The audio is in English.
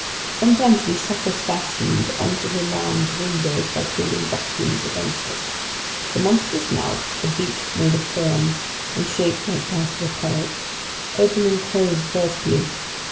Sometimes these suckers fastened onto the lounge window by creating vacuums against it. The monster's mouth—a beak made of horn and shaped like that of a parrot—opened and closed vertically.